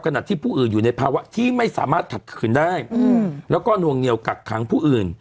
ขณะที่ผู้อื่นอยู่ในภาวะที่ไม่สามารถขัดขืนได้แล้วก็นวงเหนียวกักขังผู้อื่น